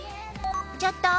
ちょっと！